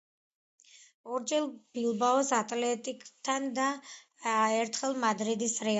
ორჯერ ბილბაოს „ატლეტიკთან“ და ერთხელ მადრიდის „რეალთან“.